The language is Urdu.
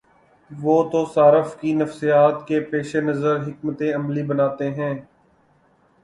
تو وہ صارف کی نفسیات کے پیش نظر حکمت عملی بناتے ہیں۔